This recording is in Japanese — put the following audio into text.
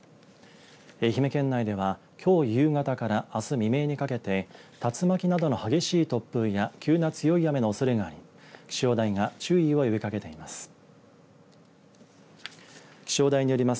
愛媛県内では、きょう夕方からあす未明にかけて竜巻などの激しい突風や急な強い雨のおそれがあり気象台が注意を呼びかけています。